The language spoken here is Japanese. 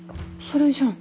それじゃん。